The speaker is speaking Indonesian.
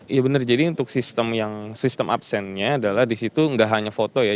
ya benar jadi untuk sistem absennya adalah di situ nggak hanya foto ya